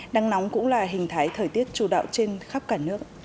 nắng nóng cũng là hình thái thời tiết chủ đạo trên khắp cả nước